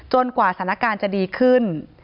กว่าสถานการณ์จะดีขึ้น